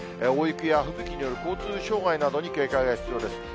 大雪や吹雪による交通障害などに警戒が必要です。